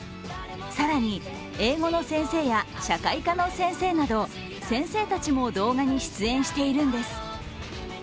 更に英語の先生や社会科の先生など、先生たちも動画に出演しているんです。